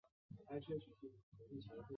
它拥有阿海珐。